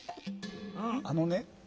あのね